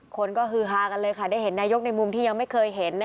คนก็ฮือฮากันเลยค่ะได้เห็นนายกในมุมที่ยังไม่เคยเห็น